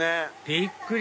びっくり！